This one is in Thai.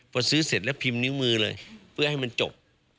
พอซื้อเสร็จแล้วพิมพ์นิ้วมือเลยเพื่อให้มันจบ